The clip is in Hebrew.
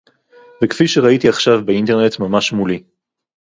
וכפי שראיתי עכשיו באינטרנט ממש מולי